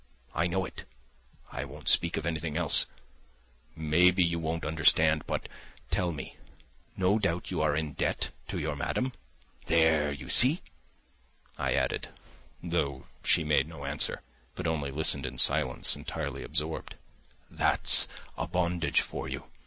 I know it. I won't speak of anything else, maybe you won't understand, but tell me: no doubt you are in debt to your madam? There, you see," I added, though she made no answer, but only listened in silence, entirely absorbed, "that's a bondage for you!